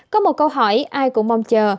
có một câu hỏi ai cũng mong chờ